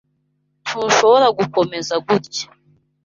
Ntushobora gukomeza gutya.